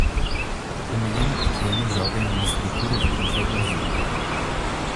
Um menino pequeno joga em uma estrutura de brinquedo azul